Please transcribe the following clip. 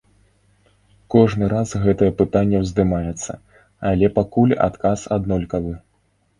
Кожны раз гэтае пытанне ўздымаецца, але пакуль адказ аднолькавы.